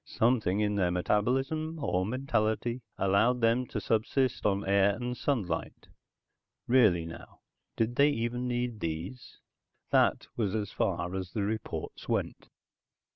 Something in their metabolism (or mentality?) allowed them to subsist on the air and sunlight. (Really now? Did they even need these?) That was as far as the reports went.